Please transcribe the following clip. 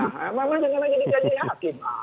emangnya jangan lagi gaji hakim